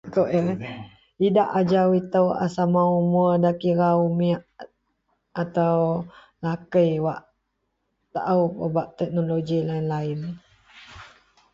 Akou iyew ...Idak ajau ito a sama umor da kira umit atau lakei wak taao pebak teknoloji online.